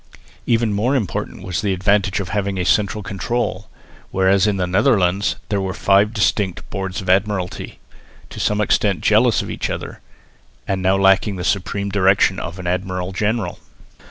Even more important was the advantage of having a central control, whereas in the Netherlands there were five distinct Boards of Admiralty, to some extent jealous of each other, and now lacking the supreme direction of an admiral general.